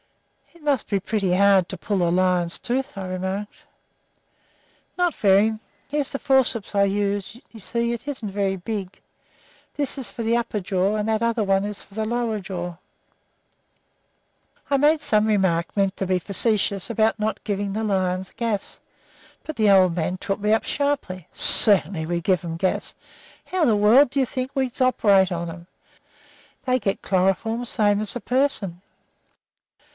"It must be pretty hard to pull a lion's tooth," I remarked. "Not very. Here's the forceps I use; you see it isn't very big. This is for the upper jaw, and that other one is for the lower jaw." I made some remark, meant to be facetious, about not giving lions gas, but the old man took me up sharply. "Certainly we give 'em gas. How else in the world do you think we operate on 'em? They get chloroform same as a person.